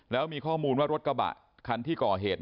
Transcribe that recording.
แล้วมีข้อมูลว่ารถกระบะคันที่ก่อเหตุ